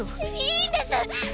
いいんですッ！